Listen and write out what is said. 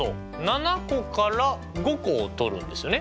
７個から５個をとるんですよね？